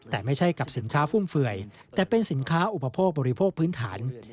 แต่ไม่ใช่กับสินค้าฟุ่มเฟื่อยแต่เป็นสินค้าอุปโภคบริโภคพื้นฐาน